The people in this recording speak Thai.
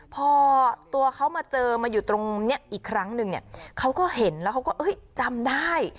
พอตัวเขามาเจอมาอยู่ตรงนี้อีกครั้งนึงเนี่ยเขาก็เห็นแล้วเขาก็จำได้